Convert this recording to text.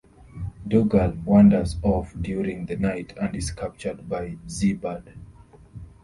Dougal wanders off during the night and is captured by Zeebad.